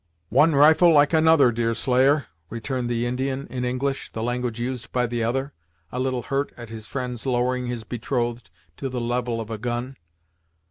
"One rifle like another, Deerslayer," returned the Indian, in English, the language used by the other, a little hurt at his friend's lowering his betrothed to the level of a gun.